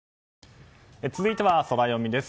続いてはソラよみです。